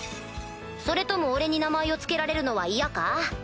それとも俺に名前を付けられるのは嫌か？